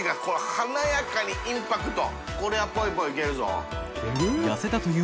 華やかにインパクト。